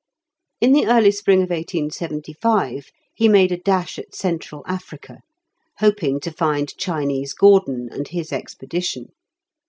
In the early spring of 1875 he made a dash at Central Africa, hoping to find "Chinese Gordon" and his expedition.